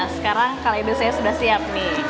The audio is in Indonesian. sekarang saya sudah siap